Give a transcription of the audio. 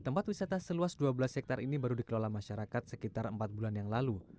tempat wisata seluas dua belas hektare ini baru dikelola masyarakat sekitar empat bulan yang lalu